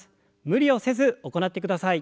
無理をせず行ってください。